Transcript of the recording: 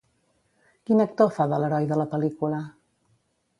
Quin actor fa de l'heroi de la pel·lícula?